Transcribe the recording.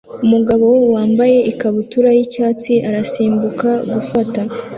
Umugabo wambaye ikabutura y'icyatsi arasimbuka gufata